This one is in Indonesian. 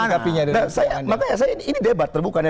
dan saya makanya saya ini debat terbukanya